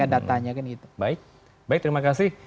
datanya kan baik baik terima kasih